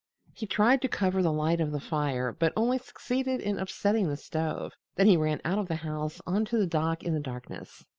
He tried to cover the light of the fire, but only succeeded in upsetting the stove. Then he ran out of the house on to the dock in the darkness.